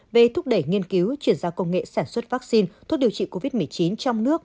về thúc đẩy nghiên cứu chuyển giao công nghệ sản xuất vaccine thuốc điều trị covid một mươi chín trong nước